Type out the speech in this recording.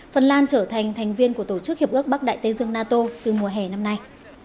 phần lan trở thành thành viên của tổ chức hiệp ước bắc đại tây dương nato từ mùa hè năm nay